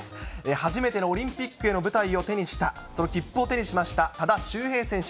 初めてのオリンピックへの舞台を手にした、その切符を手にしました多田修平選手。